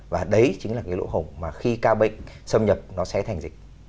và đấy chính là cái lỗ hổng mà khi ca bệnh xâm nhập nó sẽ thành dịch